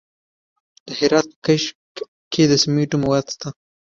د هرات په کشک کې د سمنټو مواد شته.